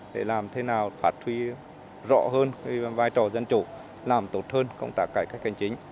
để làm thế nào phạt thi rõ hơn vai trò dân chủ làm tốt hơn công tác cải cách kinh chính